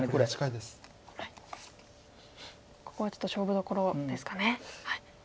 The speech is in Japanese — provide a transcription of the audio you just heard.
ここはちょっと勝負どころですかね。